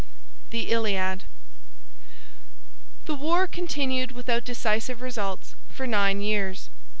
"THE ILIAD" The war continued without decisive results for nine years.